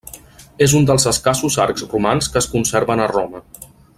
És un dels escassos arcs romans que es conserven a Roma.